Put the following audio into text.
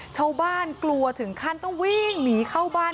กลัวถึงขั้นต้องวิ่งหนีเข้าบ้าน